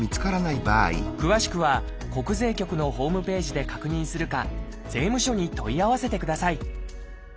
詳しくは国税局のホームページで確認するか税務署に問い合わせてください